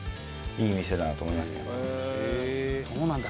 「そうなんだ。